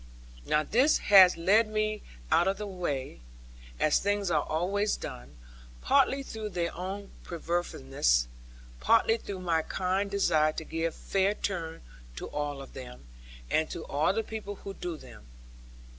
Now this has led me out of my way; as things are always doing, partly through their own perverseness, partly through my kind desire to give fair turn to all of them, and to all the people who do them.